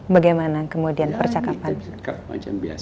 bagaimana kemudian percakapan